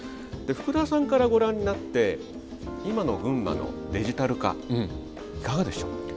福田さんからご覧になって今の群馬のデジタル化いかがでしょう。